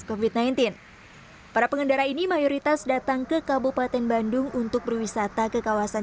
covid sembilan belas para pengendara ini mayoritas datang ke kabupaten bandung untuk berwisata ke kawasan